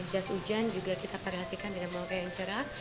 jas hujan juga kita perhatikan dengan warga yang cerah